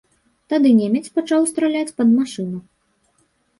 Тады немец пачаў страляць пад машыну.